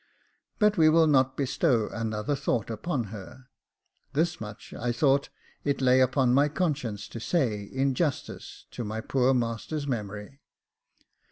But we will not bestow another thought upon her. This much I thought it lay upon my conscience to say, in justice to my poor master's memory.